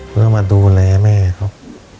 เพื่อมาดูแลแม่ครับ